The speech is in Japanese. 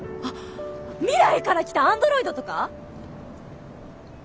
あっ未来から来たアンドロイドとか？